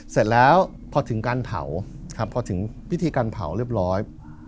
เสร็จแล้วพอถึงการเผาครับพอถึงพิธีการเผาเรียบร้อย